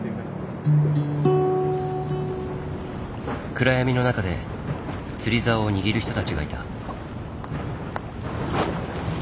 暗闇の中で釣りざおを握る人たちがいた。